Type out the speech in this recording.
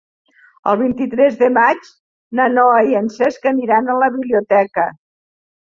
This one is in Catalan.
El vint-i-tres de maig na Noa i en Cesc aniran a la biblioteca.